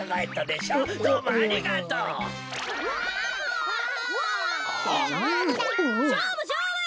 しょうぶしょうぶ！